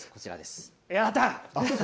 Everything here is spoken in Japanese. やった。